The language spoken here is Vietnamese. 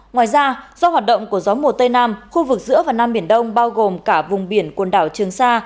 ngoài ra do hoạt động của gió mùa tây nam khu vực giữa và nam biển đông bao gồm cả vùng biển quần đảo trường sa